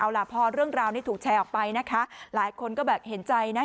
เอาล่ะพอเรื่องราวนี้ถูกแชร์ออกไปนะคะหลายคนก็แบบเห็นใจนะ